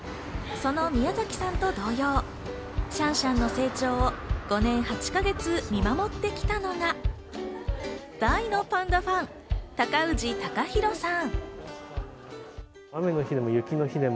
その宮崎さんと同様、シャンシャンの成長を５年８か月、見守ってきたのが、大のパンダファン、高氏貴博さん。